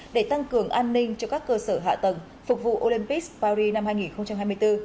để tăng cường an ninh cho các cơ sở hạ tầng phục vụ olympic paris năm hai nghìn hai mươi bốn